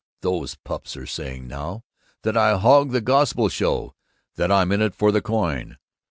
Those pups are saying now that I hog the gospel show, that I'm in it for the coin.